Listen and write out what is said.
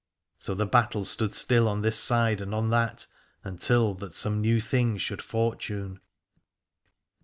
So the battle stood still on this side and on that, until that some new thing should fortune.